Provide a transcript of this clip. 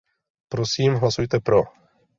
Prosím, hlasujte pro.